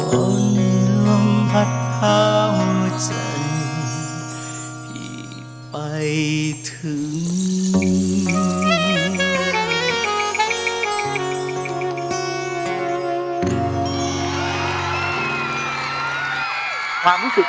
วันนี้ลมภัดหัวใจพี่ไปถึง